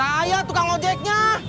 saya tukang ojeknya